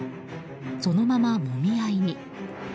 そのまま、もみ合いに。